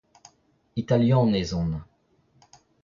Italianez on.